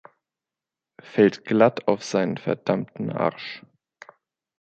Fällt glatt auf seinen verdammten Arsch!